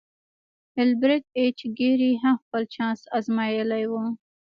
ایلبرټ ایچ ګیري هم خپل چانس ازمایلی و